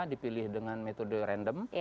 dipilih dengan metode random